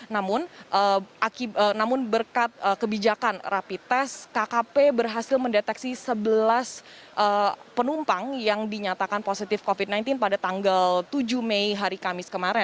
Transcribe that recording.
namun berkat kebijakan rapi tes kkp berhasil mendeteksi sebelas penumpang yang dinyatakan positif covid sembilan belas pada tanggal tujuh mei hari kamis kemarin